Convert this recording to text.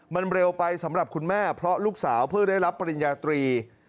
มันเร็วไปสำหรับคุณแม่เพราะลูกสาวเพิ่งได้รับปริญญาตรี